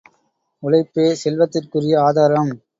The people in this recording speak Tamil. உழைப்பே செல்வத்திற்குரிய ஆதாரம்!